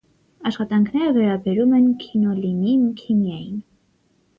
Աշխատանքները վերաբերում են քինոլինի քիմիային։